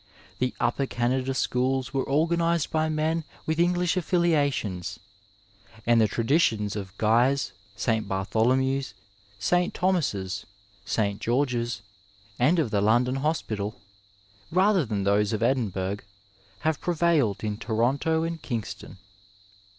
The Upper Canada schoob were oi^nized by men with English affilia tions, and the traditions of Guy's, St. Bartholomew's, St. Thomas's, St. George's, and of the London Hospital, rather than those of Edinburgh, have prevailed in Toronto and Kingston.